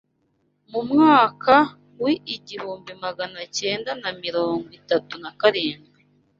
Mu mwaka wi igihumbi maganacyena namirongwitatu nakarindwi